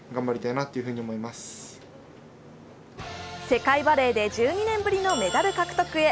世界バレーで１２年ぶりにメダル獲得へ。